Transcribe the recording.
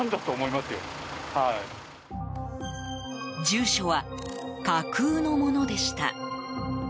住所は、架空のものでした。